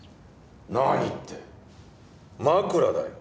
何って枕だよ。